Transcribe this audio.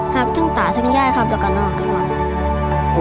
หากทุงตาทุงย่ายครับถูกกระนอกกันด้วย